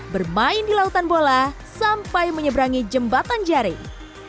bermain di lautan bola sampai menyeberangi jembatan jaring